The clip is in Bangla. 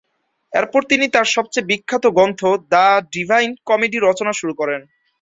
এরপর তিনি তার সবচেয়ে বিখ্যাত গ্রন্থ দ্য ডিভাইন কমেডি রচনা শুরু করেন।